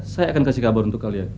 saya akan kasih kabar untuk kalian